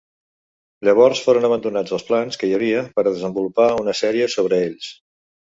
Llavors foren abandonats els plans que hi havia per a desenvolupar una sèrie sobre ells.